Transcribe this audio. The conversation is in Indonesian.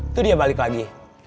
itu dia balik lagi